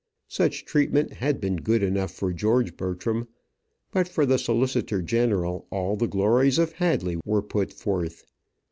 Such treatment had been good enough for George Bertram; but for the solicitor general all the glories of Hadley were put forth.